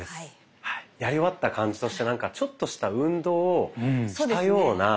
やり終わった感じとしてなんかちょっとした運動をしたような。